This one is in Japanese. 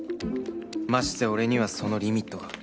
まして俺にはそのリミットが